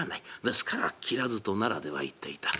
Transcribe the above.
ですから「きらず」と奈良では言っていた。